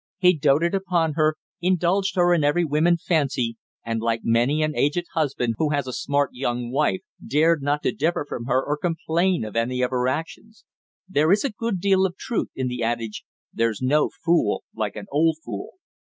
He doted upon her, indulged her in every whim and fancy and, like many an aged husband who has a smart young wife, dared not to differ from her or complain of any of her actions. There is a deal of truth in the adage, "There's no fool like an old fool."